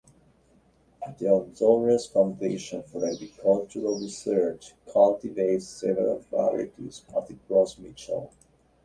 The Honduras Foundation for Agricultural Research cultivates several varieties of the Gros Michel.